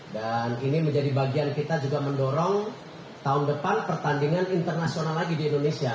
dan ini menjadi bagian kita juga mendorong tahun depan pertandingan internasional lagi di indonesia